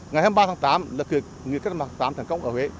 ngày hai mươi ba tháng tám là kỷ nghị cách mạng tám thành công ở huế